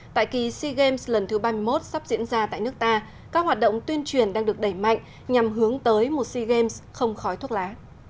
tại kỳ sea games lần thứ ba mươi một sắp diễn ra tại nước ta các hoạt động tuyên truyền đang được đẩy mạnh nhằm hướng tới một sea games không khói thuốc lá